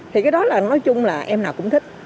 thì cái đó là nói chung là em nào cũng thích